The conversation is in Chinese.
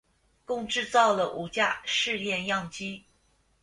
共制造了五架试验样机。